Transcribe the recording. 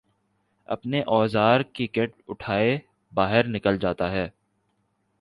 اپنے اوزار کی کٹ اٹھائے باہر نکل جاتا ہے